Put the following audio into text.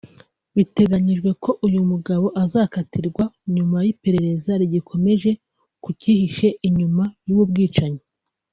Biteganyijwe ko uyu mugabo azakatirwa nyuma y’iperereza rigikomeje ku cyihishe inyuma y’ubu bwicanyi